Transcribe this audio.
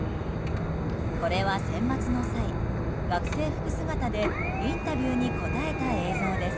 これはセンバツの際、学生服姿でインタビューに答えた映像です。